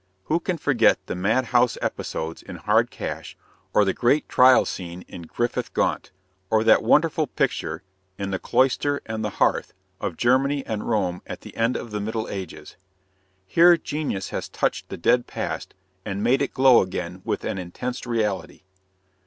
Who can forget the madhouse episodes in Hard Cash, or the great trial scene in Griffith Gaunt, or that wonderful picture, in The Cloister and the Hearth, of Germany and Rome at the end of the Middle Ages? Here genius has touched the dead past and made it glow again with an intense reality.